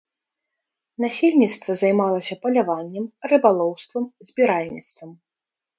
Насельніцтва займалася паляваннем, рыбалоўствам, збіральніцтвам.